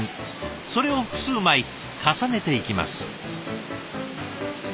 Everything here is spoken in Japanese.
それを複数枚重ねていきます。